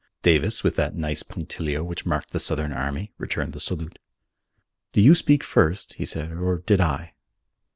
Davis, with that nice punctilio which marked the Southern army, returned the salute. "Do you speak first?" he said, "or did I?"